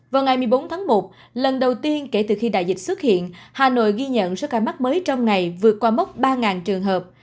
vào ngày một mươi bốn tháng một lần đầu tiên kể từ khi đại dịch xuất hiện hà nội ghi nhận số ca mắc mới trong ngày vượt qua mốc ba trường hợp